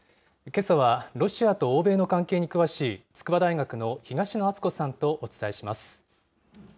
けさは、ロシアと欧米の関係に詳しい、筑波大学の東野篤子さんとお伝えします。